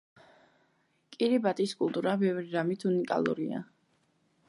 კირიბატის კულტურა ბევრი რამით უნიკალურია.